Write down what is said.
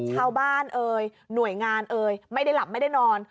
เอ่ยหน่วยงานเอ่ยไม่ได้หลับไม่ได้นอน